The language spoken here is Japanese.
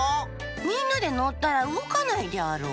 みんなでのったらうごかないであろう。